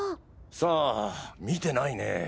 さあ見てないねぇ。